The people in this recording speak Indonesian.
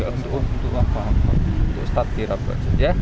untuk apa apa star kirap aja